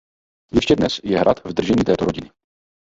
Ještě dnes je hrad v držení této rodiny.